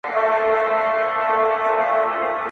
هغه اور مې بيا لمن کښې واچوه